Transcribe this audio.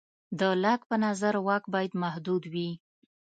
د لاک په نظر واک باید محدود وي.